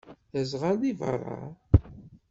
D aẓɣal deg beṛṛa?